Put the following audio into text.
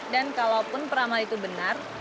dan kalaupun peramal itu benar